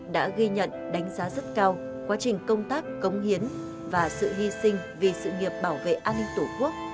đã ghi nhận đánh giá rất cao quá trình công tác cống hiến và sự hy sinh vì sự nghiệp bảo vệ an ninh tổ quốc